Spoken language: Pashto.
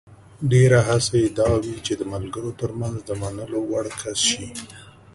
ډېره هڅه یې دا وي چې د ملګرو ترمنځ د منلو وړ کس شي.